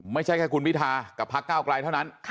ไม่ใช่แค่คุณพิทากับพักเก้าไกลเท่านั้น